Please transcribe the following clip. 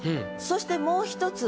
そしてもう１つ。